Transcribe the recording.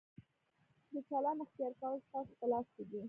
د چلند اختیار کول ستاسو په لاس کې دي.